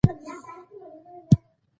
ایا صبر کوئ؟